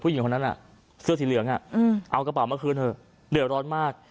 หญิงคนนั้นเสื้อสีเหลืองเอากระเป๋ามาคืนเถอะเดือดร้อนมาก